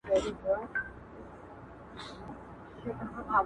یو اطاق يې مکمل ماته پرېښود